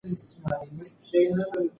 د خوړو ساده پخلی غوره کړئ.